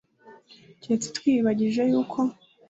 keretse twiyibagije yuko,